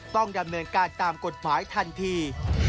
ต้องดำเนินการตามกฎหมายทันที